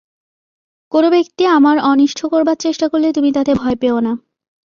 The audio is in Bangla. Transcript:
কোন ব্যক্তি আমার অনিষ্ট করবার চেষ্টা করলে তুমি তাতে ভয় পেও না।